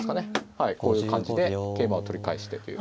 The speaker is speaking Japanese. はいこういう感じで桂馬を取り返してという。